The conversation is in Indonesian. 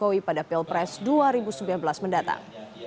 jokowi pada pilpres dua ribu sembilan belas mendatang